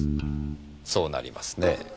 そうなりますねぇ。